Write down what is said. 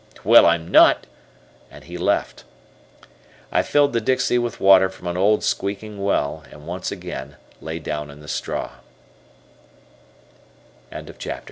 Well, I'm not," and he left. I filled the dixie with water from an old squeaking well, and once again lay down in